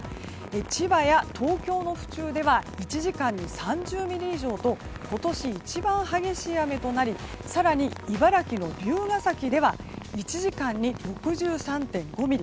千葉や東京の府中では１時間に３０ミリ以上と今年一番激しい雨となり更に茨城の竜ケ崎では１時間に６３．５ミリ。